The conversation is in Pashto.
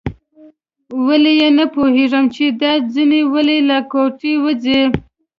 ویل یې نه پوهېږم چې دا چینی ولې له کوټې وځي.